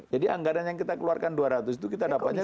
jadi anggaran yang kita keluarkan dua ratus itu kita dapatnya